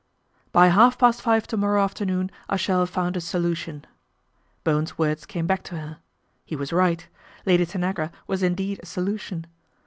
" By half past five to morrow afternoon I shall have found a solution." Bowen's words came back to her. He was right. Lady Tanagra was indeed a solution.